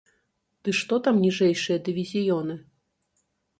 Ды што там ніжэйшыя дывізіёны!